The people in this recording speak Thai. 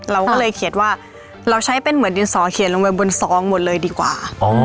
เราก็เลยเขียนว่าเราใช้เป็นเหมือนดินสอเขียนลงไปบนซองหมดเลยดีกว่า